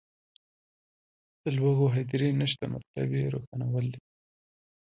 د لوږو هدیرې نشته مطلب یې روښانول دي.